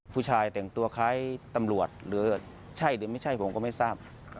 ผู้ชายแต่งตัวคล้ายตำรวจหรือใช่หรือไม่ใช่ผมก็ไม่ทราบ